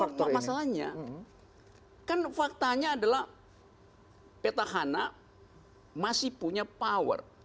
ya itu masalahnya kan faktanya adalah peta hana masih punya power